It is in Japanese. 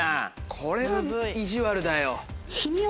これは意地悪だよ。